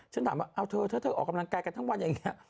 ฉันถามว่าเอาเธอถ้าเธอออกกำลังกายกันทั้งวันอย่างนี้